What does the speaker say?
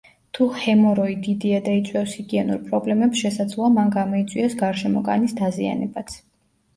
თუ ჰემოროი დიდია და იწვევს ჰიგიენურ პრობლემებს, შესაძლოა მან გამოიწვიოს გარშემო კანის დაზიანებაც.